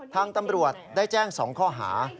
ทางตำรวจได้แจ้ง๒ข้อหา